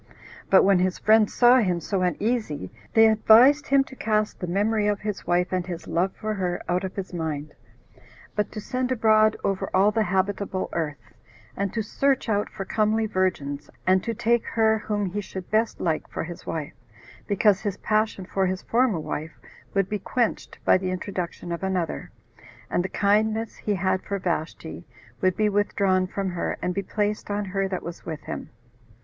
But when his friends saw him so uneasy, they advised him to cast the memory of his wife, and his love for her, out of his mind, but to send abroad over all the habitable earth, and to search out for comely virgins, and to take her whom he should best like for his wife, because his passion for his former wife would be quenched by the introduction of another, and the kindness he had for Vashti would be withdrawn from her, and be placed on her that was with him.